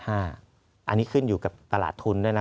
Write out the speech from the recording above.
อันนี้ขึ้นอยู่กับตลาดทุนด้วยนะ